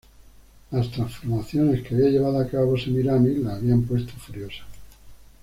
Las transformaciones que había llevado a cabo Semíramis la habían puesto furiosa.